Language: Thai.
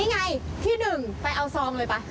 นี่ไงที่หนึ่งไปเอาซองเลยไป